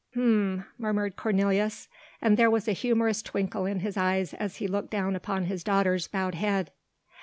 "Hm!" murmured Cornelius, and there was a humorous twinkle in his eyes as he looked down upon his daughter's bowed head.